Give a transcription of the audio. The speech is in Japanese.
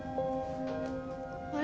あれ？